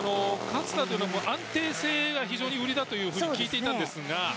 勝田というのは安定性が非常に売りだと聞いていたんですが。